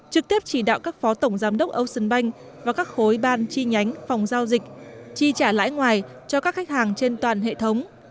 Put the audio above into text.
trực tiếp chỉ đạo các phó tổng giám đốc ocean bank và các khối ban chi nhánh phòng giao dịch chi trả lãi ngoài cho các khách hàng trên toàn hệ thống